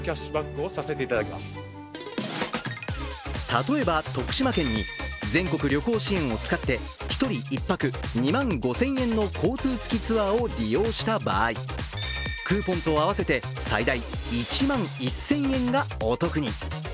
例えば、徳島県に全国旅行支援を使って１人１泊２万５０００円の交通付きツアーを利用した場合、クーポンと合わせて最大１万１０００円がお得に。